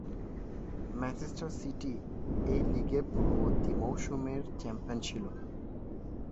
Manchester City এই লীগের পূর্ববর্তী মৌসুমের চ্যাম্পিয়ন ছিল।